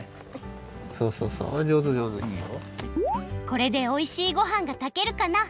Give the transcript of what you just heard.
これでおいしいごはんがたけるかな？